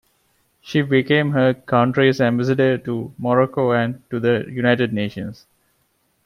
She became her country's ambassador to Morocco and to the United Nations.